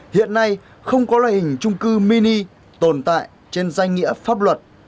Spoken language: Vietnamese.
hiện nay không có loại hình trung cư mini tồn tại trên danh nghĩa pháp luật